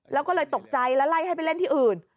แล้วก็เลยตกใจแล้วไล่ให้ไปเล่นที่อื่น